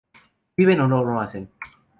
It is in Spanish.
Vienen o no lo hacen.